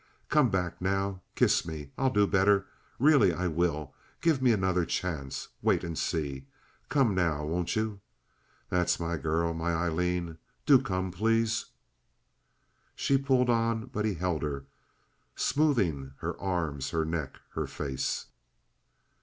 Come back now. Kiss me. I'll do better. Really I will. Give me another chance. Wait and see. Come now—won't you? That's my girl, my Aileen. Do come. Please!" She pulled on, but he held her, smoothing her arms, her neck, her face.